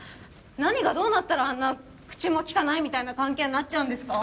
何がどうなったらあんな口もきかないみたいな関係になっちゃうんですか？